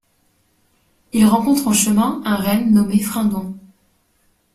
Ils rencontrent en chemin un renne nommé Fringant.